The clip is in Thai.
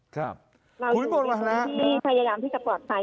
ครับเราอยู่ในพื้นที่พยายามที่จะปลอดภัย